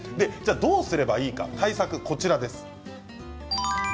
どうすればいいか対策はこちらです。